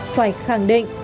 phải khẳng định